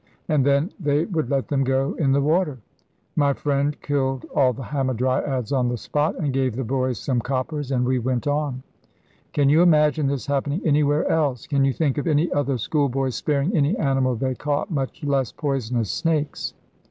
And then they would let them go in the water. My friend killed all the hamadryads on the spot, and gave the boys some coppers, and we went on. Can you imagine this happening anywhere else? Can you think of any other schoolboys sparing any animal they caught, much less poisonous snakes?